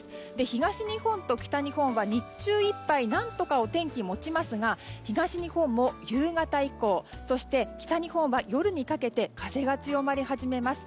東日本と北日本は日中いっぱい、何とかお天気、持ちますが東日本も夕方以降そして北日本は夜にかけて風が強まり始めます。